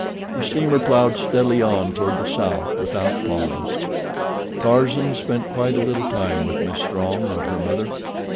The steamer plowed steadily on toward the south without pause. Tarzan spent quite a little time with Miss Strong and her mother.